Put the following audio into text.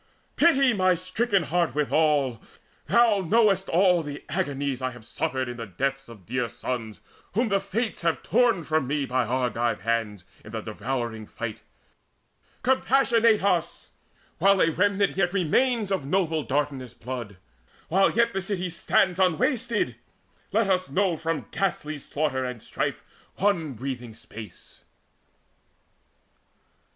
Pity my stricken heart withal! Thou know'st All agonies I have suffered in the deaths Of dear sons whom the Fates have torn from me By Argive hands in the devouring fight. Compassionate us, while a remnant yet Remains of noble Dardanus' blood, while yet This city stands unwasted! Let us know From ghastly slaughter and strife one breathing space!"